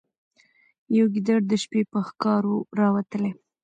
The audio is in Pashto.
یو ګیدړ د شپې په ښکار وو راوتلی